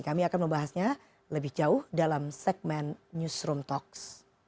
kami akan membahasnya lebih jauh dalam segmen newsroom talks